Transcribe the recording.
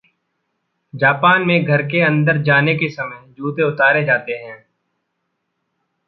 Japan में घर के अंदर जाने के समय जूते उतारे जाते हैं।